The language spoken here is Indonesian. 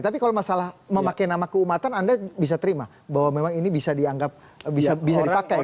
tapi kalau masalah memakai nama keumatan anda bisa terima bahwa memang ini bisa dianggap bisa dipakai